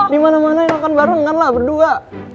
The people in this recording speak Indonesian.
dimana mana enakan barengan lah berdua